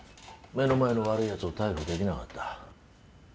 目の前の悪いやつを逮捕できなかった。